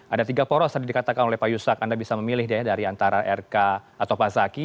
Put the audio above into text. ada tiga poros tadi dikatakan oleh pak yusak anda bisa memilih dia dari antara rk atau pak zaki